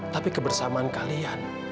tapi kebersamaan kalian